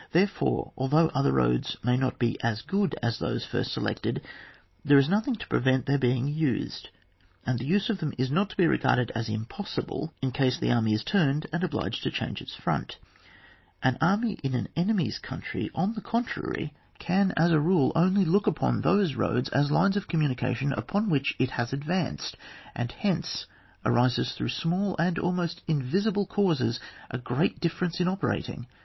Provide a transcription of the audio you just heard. Therefore, although other roads may not be as good as those at first selected there is nothing to prevent their being used, and the use of them is not to be regarded as impoeeihle in case the army is turned and obliged to change its front. An army in an enemy's country on the contrary can aa OHAP. XVI.] LINM OF COMMUNICATION. 60 a role only look npon those roads as lines of comniiLnication upon which it has advanced ; and hence arises through small and almost invisible causes a great difference in operating.